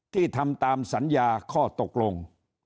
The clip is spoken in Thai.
ที่ทำตามสัญญาข้อตกลง